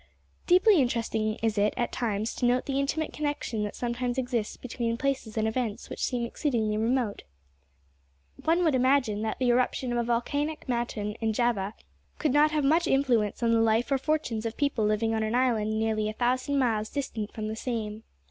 Deeply interesting is it, at times, to note the intimate connection that sometimes exists between places and events which seem exceedingly remote. One would imagine that the eruption of a volcanic mountain in Java could not have much influence on the life or fortunes of people living on an island nearly a thousand miles distant from the same.